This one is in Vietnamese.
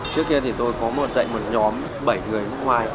trước kia thì tôi có dạy một nhóm bảy người nước ngoài